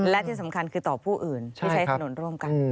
และที่สำคัญคือต่อผู้อื่นที่ใช้ถนนร่วมกัน